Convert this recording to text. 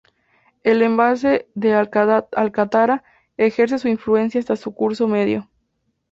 El embalse de Alcántara ejerce su influencia hasta su curso medio.